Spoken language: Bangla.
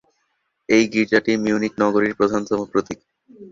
এই গির্জাটি মিউনিখ নগরীর প্রধানতম প্রতীক।